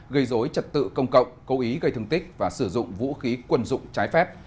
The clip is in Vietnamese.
gây dối trật tự công cộng cố ý gây thương tích và sử dụng vũ khí quân dụng trái phép